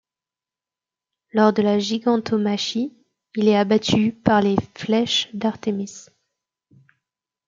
Lors de la gigantomachie, il est abattu par les flèches d'Artémis.